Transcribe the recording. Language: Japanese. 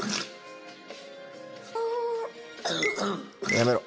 やめろ！